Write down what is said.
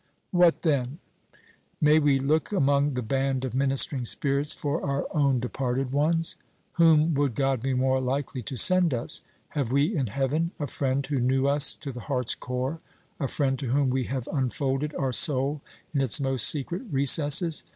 What then? May we look among the band of ministering spirits for our own departed ones? Whom would God be more likely to send us? Have we in heaven a friend who knew us to the heart's core? a friend to whom we have unfolded our soul in its most secret recesses?